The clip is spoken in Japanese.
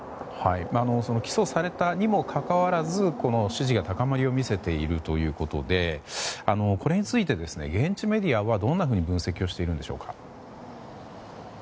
起訴されたにもかかわらず支持が高まりを見せているということでこれについて、現地メディアはどう分析しているのでしょうか。